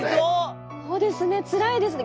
そうですねつらいですね。